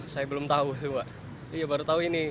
saya belum tahu baru tahu ini